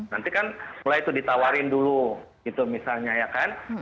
nanti kan mulai itu ditawarin dulu gitu misalnya ya kan